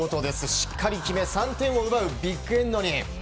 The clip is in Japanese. しっかり決め３点を奪うビッグエンドに。